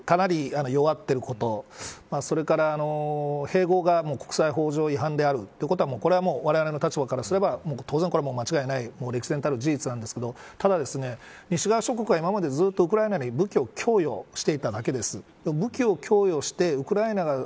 ロシアが軍事力かなり弱っていることそれから併合が国際法上違反であるということはこれは、われわれの立場からすれば間違いない歴然たる事実なんですけどただ、西側諸国は、今までずっとウクライナに武器を供与していただけです。